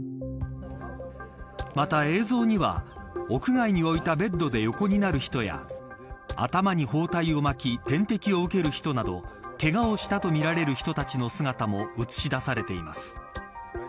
また、映像には屋外に置いたベッドで横になる人や頭に包帯を巻き点滴を受ける人などけがをしたとみられる人たちの姿も映し出されています。